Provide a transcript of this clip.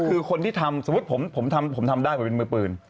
ก็คือคนที่ทำสมมุติผมทำได้เป็นมือปืน